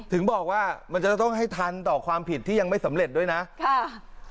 ถึงบอกว่ามันจะต้องให้ทันต่อความผิดที่ยังไม่สำเร็จด้วยนะค่ะ